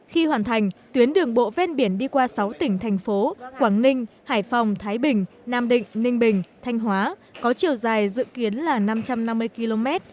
khi hoàn thành tuyến đường bộ ven biển đi qua sáu tỉnh thành phố quảng ninh hải phòng thái bình nam định ninh bình thanh hóa có chiều dài dự kiến là năm trăm năm mươi km